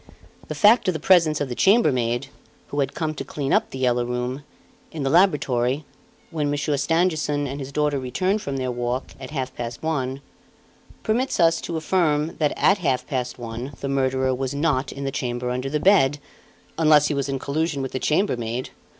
The fact of the presence of the chambermaid who had come to clean up "The Yellow Room" in the laboratory, when Monsieur Stangerson and his daughter returned from their walk, at half past one, permits us to affirm that at half past one the murderer was not in the chamber under the bed, unless he was in collusion with the chambermaid.